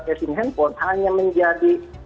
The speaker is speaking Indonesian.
casing handphone hanya menjadi